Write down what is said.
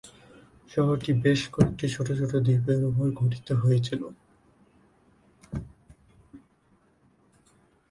শহরটি বেশ কয়েকটি ছোট ছোট দ্বীপের উপর গঠিত হয়েছিল।